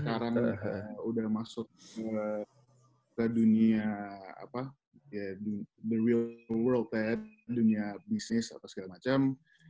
sekarang udah masuk ke dunia apa ya the real world ya dunia bisnis atau segala macem